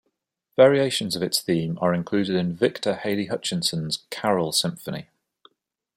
Variations of its theme are included in Victor Hely-Hutchinson's "Carol Symphony".